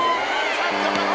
ちょっと待って。